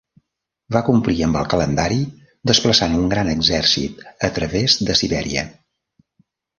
Va complir amb el calendari desplaçant un gran exèrcit a través de Sibèria.